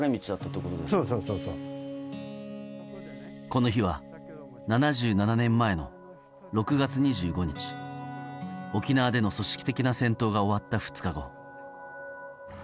この日は７７年前の６月２５日沖縄での組織的な戦闘が終わった２日後。